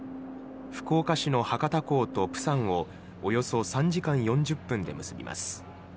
福岡市の博多港と釜山をおよそ３時間４０分で結びます。